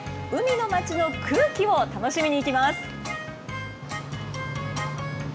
海の町の空気を楽しみにいきます。